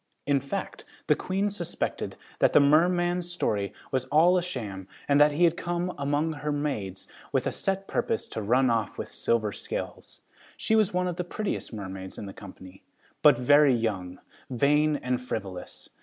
In fact, the Queen suspected that the merman's story was all a sham and that he had come among her maids with a set purpose to run off with Silver Scales. She was one of the prettiest mermaids in the company, but very young, vain and frivolous.